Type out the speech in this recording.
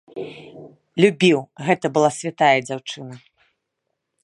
Любіў, гэта была святая дзяўчына.